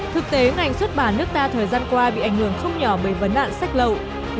thực tế ngành xuất bản nước ta thời gian qua bị ảnh hưởng không nhỏ bởi vấn đạn sách lậu